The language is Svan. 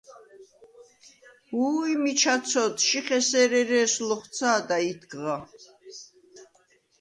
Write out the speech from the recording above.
–უ̄ჲ, მიჩა ცოდ, შიხ ესერ ერე̄ს ლოხუ̂ცა̄და ითქღა!